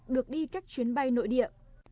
ba được đi các chuyến bay nội địa